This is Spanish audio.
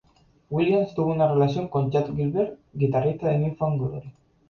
Williams tuvo una relación con Chad Gilbert, guitarrista de New Found Glory.